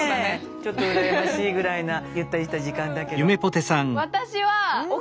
ちょっと羨ましいぐらいなゆったりした時間だけど。